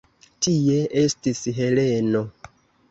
Tie estis Heleno.